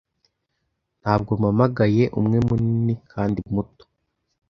Ntabwo mpamagaye umwe munini kandi muto,